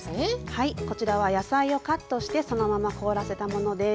はいこちらは野菜をカットしてそのまま凍らせたものです。